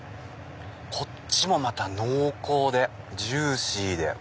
こっちもまた濃厚でジューシーで。